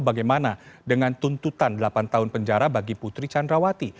bagaimana dengan tuntutan delapan tahun penjara bagi putri candrawati